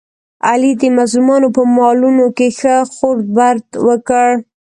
علي د مظلومانو په مالونو کې ښه خورد برد وکړ.